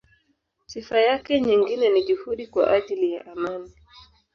Sifa yake nyingine ni juhudi kwa ajili ya amani.